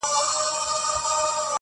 غوړه مال کړي ژوند تباه د انسانانو٫